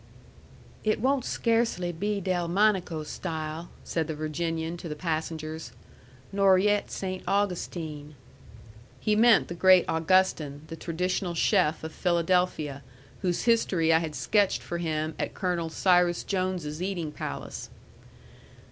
"It won't scarcely be Delmonico style," said the Virginian to the passengers, "nor yet Saynt Augustine." He meant the great Augustin, the traditional chef of Philadelphia, whose history I had sketched for him at Colonel Cyrus Jones's eating palace.